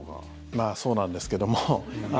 まあそうなんですけども。